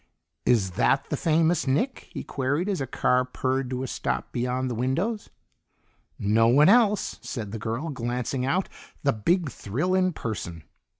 Is that the famous Nick?" he queried as a car purred to a stop beyond the windows. "No one else!" said the girl, glancing out. "The Big Thrill in person."